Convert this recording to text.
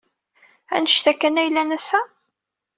Anect-a kan ay yellan ass-a?